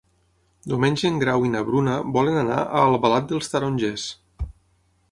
Diumenge en Grau i na Bruna volen anar a Albalat dels Tarongers.